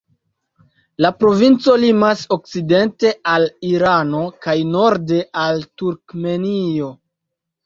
La provinco limas okcidente al Irano kaj norde al Turkmenio.